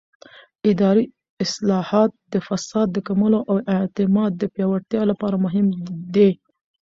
اداري اصلاحات د فساد د کمولو او اعتماد د پیاوړتیا لپاره مهم دي